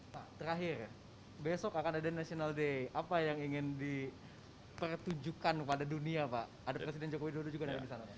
pak terakhir besok akan ada national day apa yang ingin dipertujukan kepada dunia pak ada presiden jokowi dulu juga ada di sana pak